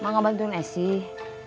mak gak bantuin es sih